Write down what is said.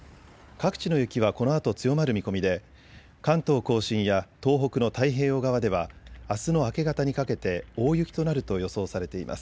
各地の雪はこのあと強まる見込みで関東甲信や東北の太平洋側ではあすの明け方にかけて大雪となると予想されています。